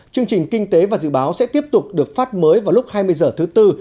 chương trình kinh tế và dự báo sẽ tiếp tục được phát mới vào lúc hai mươi h thứ tư